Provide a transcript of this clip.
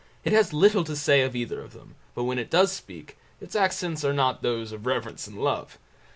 It has little to say of either of them, but when it does speak, its accents are not those of reverence and love.